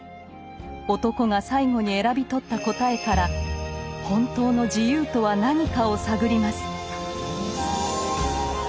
男が最後に選び取った答えから本当の「自由」とは何かを探ります。